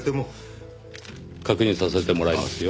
確認させてもらいますよ。